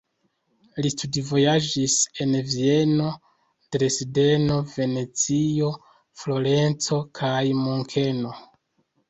Li studvojaĝis en Vieno, Dresdeno, Venecio, Florenco kaj Munkeno.